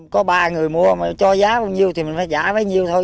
có ba người mua mà cho giá bao nhiêu thì mình phải trả bao nhiêu thôi